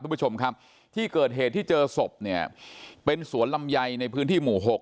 คุณผู้ชมครับที่เกิดเหตุที่เจอศพเนี่ยเป็นสวนลำไยในพื้นที่หมู่หก